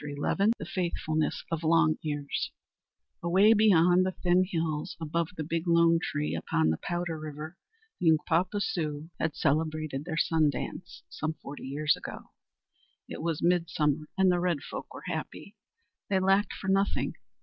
IV THE FAITHFULNESS OF LONG EARS Away beyond the Thin Hills, above the Big Lone Tree upon the Powder river, the Uncpapa Sioux had celebrated their Sun Dance, some forty years ago. It was midsummer and the red folk were happy. They lacked for nothing.